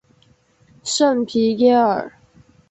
圣皮耶尔。